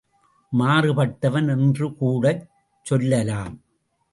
மாறுபட்டவன் என்றுகூடச் சொல்லலாம்.